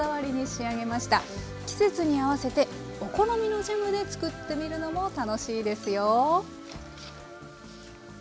季節に合わせてお好みのジャムで作ってみるのも楽しいですよ。